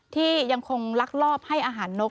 ที่ยังคงลักลอบให้อาหารนก